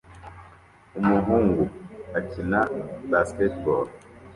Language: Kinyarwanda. Umuhungu akina basketball